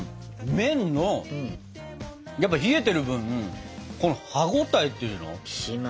麺のやっぱり冷えてる分この歯応えっていうの？